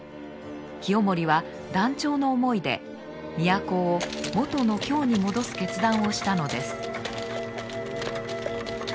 清盛は断腸の思いで都を元の京に戻す決断をしたのです。